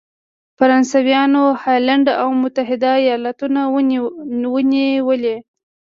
فرانسویانو هالنډ او متحد ایالتونه ونیولې.